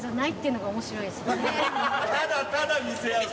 ただただ見せ合う。